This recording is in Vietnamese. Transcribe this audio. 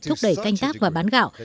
thúc đẩy canh tác và bán gạo